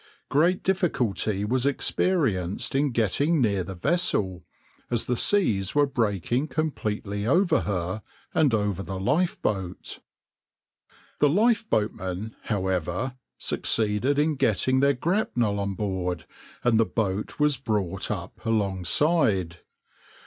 Great difficulty was experienced in getting near the vessel, as the seas were breaking completely over her and over the lifeboat. The lifeboatmen, however, succeeded in getting their grapnel on board, and the boat was brought up alongside.